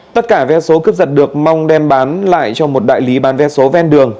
tất cả vé số cướp giật được mong đem bán lại cho một đại lý bán vé số ven đường